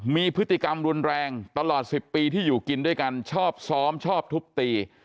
มีพฤติกรรมรุนแรงตลอด๑๐ปีที่อยู่กินด้วยกันชอบซ้อมชอบทุบตี